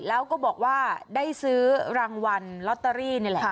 แล้วก็บอกว่าได้ซื้อรางวัลลอตเตอรี่นี่แหละ